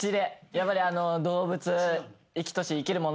やっぱり動物。